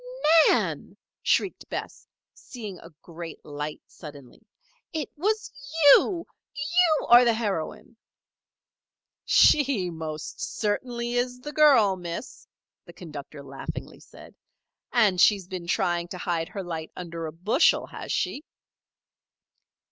"Nan!" shrieked Bess, seeing a great light suddenly. "It was you! You are the heroine!" "She most certainly is the girl, Miss," the conductor laughingly said. "And she has been trying to hide her light under a bushel, has she?"